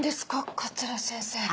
桂先生。